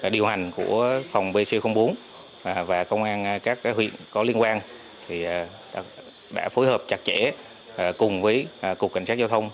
điều hành của phòng bc bốn và công an các huyện có liên quan đã phối hợp chặt chẽ cùng với cục cảnh sát giao thông